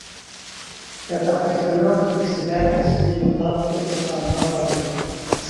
ياتاقداشلىرىمنىڭ تۈرتكىسىدە سىزنى يوقلاپ دوختۇرخانىغا باردىم.